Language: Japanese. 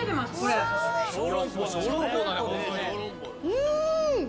うん！